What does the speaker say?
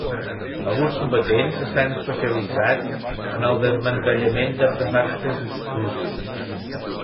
Alguns combatents estan especialitzats en el desmantellament d'artefactes explosius.